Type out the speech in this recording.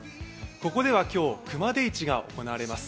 ここでは今日、熊手市が行われます